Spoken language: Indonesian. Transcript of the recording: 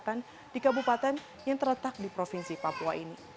kepada pemerintah kabupaten yang terletak di provinsi papua ini